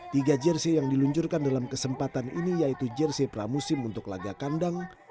tiga jersi yang diluncurkan dalam kesempatan ini yaitu jersi pramusim untuk lagakandang